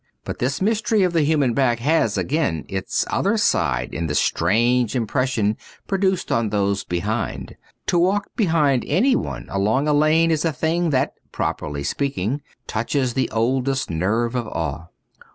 But this mystery of the human back has, again, its other side in the strange im pression produced on those behind : to walk behind anyone along a lane is a thing that, properly speaking, touches the oldest nerve of awe.